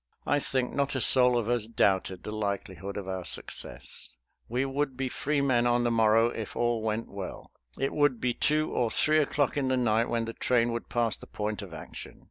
I think not a soul of us doubted the likelihood of our success. We would be free men on the morrow if all went well. It would be two or three o'clock in the night when the train would pass the point of action.